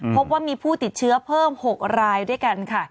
พบว่ามีผู้ติดเชื้อเพิ่ม๖รายด้วยกันค่ะ